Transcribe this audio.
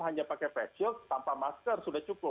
atau pakai facial tanpa masker sudah cukup